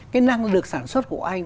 cái năng lực sản xuất của anh